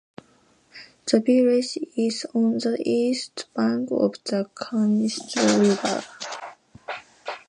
The village is on the east bank of the Canisteo River.